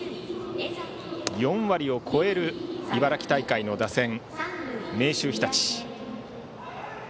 ４割を超える茨城大会の打線明秀日立。